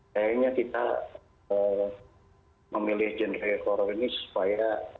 sepertinya kita memilih genre horror ini supaya